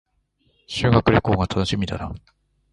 修学旅行が楽しみだな